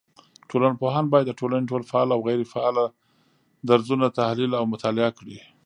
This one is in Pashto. ټولنپوهان بايد د ټولني ټول فعال او غيري فعاله درځونه تحليل او مطالعه کړي